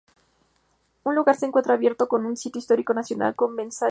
El lugar se encuentra abierto como un sitio histórico nacional sobre Bonanza Creek.